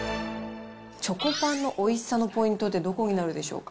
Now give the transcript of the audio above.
チョコパンのおいしさのポイントってどこになるでしょうか。